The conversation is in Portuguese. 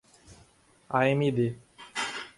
amd